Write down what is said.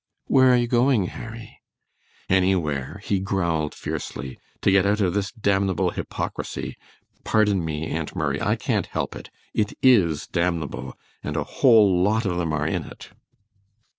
"Where are you going, Harry?" "Anywhere," he growled, fiercely, "to get out of this damnable hypocrisy! Pardon me, Aunt Murray, I can't help it, it IS damnable, and a whole lot of them are in it!"